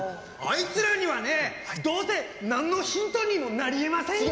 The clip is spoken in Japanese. あいつらにはねどうせ何のヒントにもなりえませんよ。